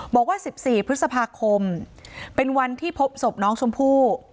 บอกว่า๑๔พฤษภาคมเป็นวันที่พบศพน้องชมพู่